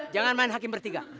jangan main hakim bertiga